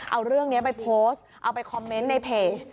เอาเรื่องนี้ไปโพสต์เอาไปคอมเมนต์ในเพจ